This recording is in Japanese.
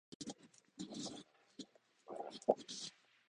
こんかいのミッションは失敗だ